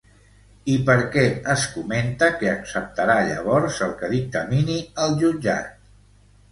I per què es comenta que acceptarà llavors el que dictamini el jutjat?